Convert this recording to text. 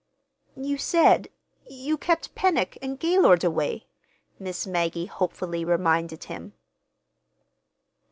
"You said—you kept Pennock and Gaylord away," Miss Maggie hopefully reminded him.